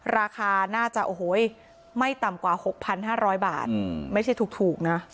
ราคาน่าจะโอ้โหไม่ต่ำกว่า๖๕๐๐บาทไม่ใช่ถูกนะ